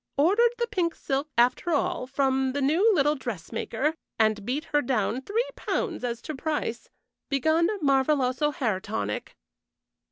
Ordered the pink silk after all, from the new little dressmaker, and beat her down three pounds as to price. Begun Marvaloso hair tonic."